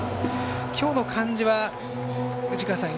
今日の感じは、藤川さん